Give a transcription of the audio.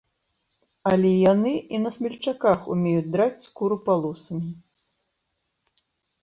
Але яны і на смельчаках умеюць драць скуру палосамі.